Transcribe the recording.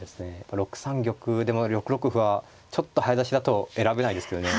６三玉でも６六歩はちょっと早指しだと選べないですけどね。